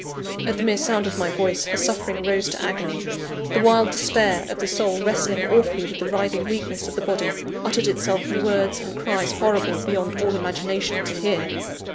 At the mere sound of my voice, her suffering rose to agony; the wild despair of the soul wrestling awfully with the writhing weakness of the body, uttered itself in words and cries horrible, beyond all imagination, to hear.